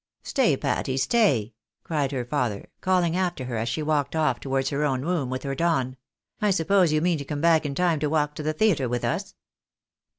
" Stay, Patty, stay," cried her father, calling after her as she walked off towards her own room with her Don ;" I suppose yor mean to come back in time to walk to the theatre with us."